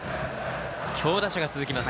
強打者が続きます。